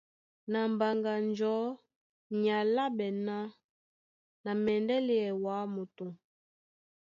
Na Mbaŋganjɔ̌ ní álaɓɛ́ ná : Na mɛndɛ́ léɛ wǎ moto.